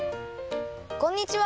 こんにちは！